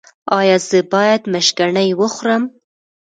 ایا زه باید مشګڼې وخورم؟